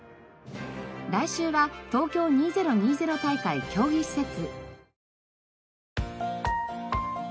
来週は東京２０２０大会競技施設。